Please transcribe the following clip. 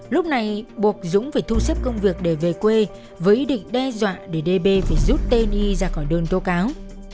lúc này buộc dũng phải thu xếp công việc để về quê với ý định đe dọa để đê bê phải rút tên y ra khỏi đơn thô cáo